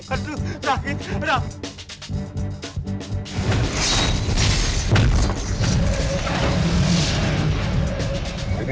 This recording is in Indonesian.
aduh terakhir aduh